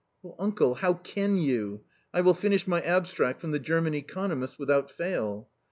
" Oh, uncle, how can you ! I will finish my abstract from the German economists without fail."